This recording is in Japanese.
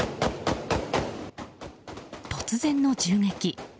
突然の銃撃。